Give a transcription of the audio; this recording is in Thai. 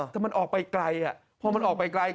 แต่มันออกไปไกลพอมันออกไปไกล